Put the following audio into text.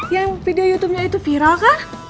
ya video youtubenya itu viral kah